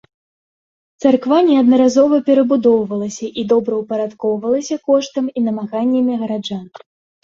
Царква неаднаразова перабудоўвалася і добраўпарадкоўвалася коштам і намаганнямі гараджан.